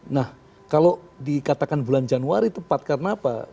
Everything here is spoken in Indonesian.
nah kalau dikatakan bulan januari tepat karena apa